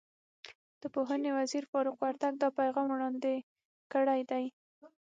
د پوهنې وزیر فاروق وردګ دا پیغام وړاندې کړی دی.